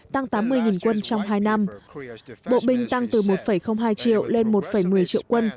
tăng tám mươi quân trong hai năm bộ binh tăng từ một hai triệu lên một một mươi triệu quân